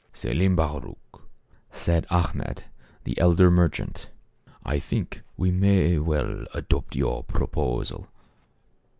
" Selim Baruch," said Achmed, the elder mer chant, " I think we may well adopt your proposal."